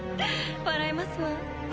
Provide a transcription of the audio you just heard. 笑えますわ。